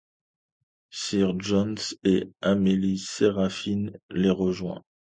Sir John et Amélie-Séraphine les rejoint.